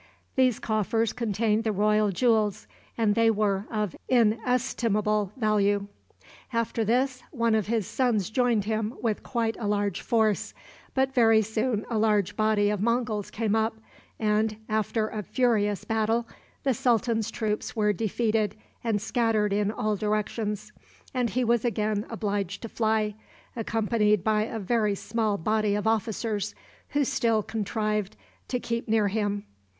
These coffers contained the royal jewels, and they were of inestimable value. After this, one of his sons joined him with quite a large force, but very soon a large body of Monguls came up, and, after a furious battle, the sultan's troops were defeated and scattered in all directions; and he was again obliged to fly, accompanied by a very small body of officers, who still contrived to keep near him.